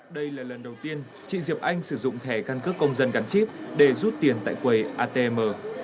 đây là lần đầu tiên chị diệp anh sử dụng thẻ căn cước công dân gắn chip để rút tiền tại quầy atm